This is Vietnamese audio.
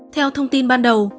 theo thông tin ban đầu